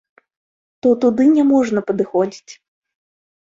То туды няможна падыходзіць.